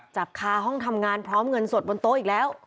จับคาห้องทำงานพร้อมเงินสดบนโต๊ะอีกแล้ว